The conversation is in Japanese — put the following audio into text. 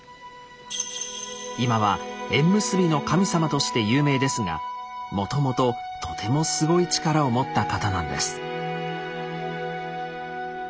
今は「縁結びの神様」として有名ですがもともととてもすごい力を持った方なんです。